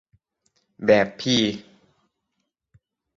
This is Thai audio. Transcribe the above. แบบพี่